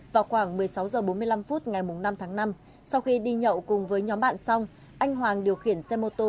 vào khoảng một mươi sáu h bốn mươi năm phút ngày năm tháng năm sau khi đi nhậu cùng với nhóm bạn xong anh hoàng điều khiển xe mô tô